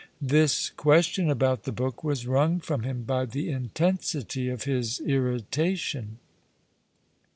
This question about the book was wrung from him by the intensity of his irritation.